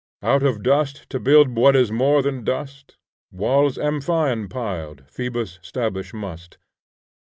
Out of dust to build What is more than dust, Walls Amphion piled Phoebus stablish must.